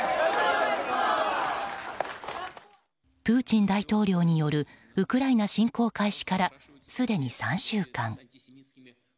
プーチン大統領によるウクライナ侵攻開始からすでに３週間。